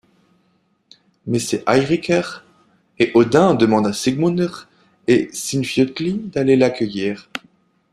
Mais c'est Eiríkr, et Odin demande à Sigmundr et Sinfjötli d'aller l'accueillir.